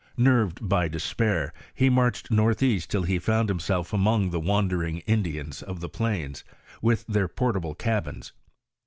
Nerved by despair, he marched northeast till he found himself among the wandering Indians of the plains, with their portable cabins.